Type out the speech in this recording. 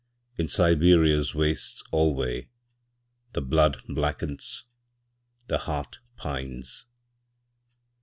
In Siberia's wastes alwayThe blood blackens, the heart pines.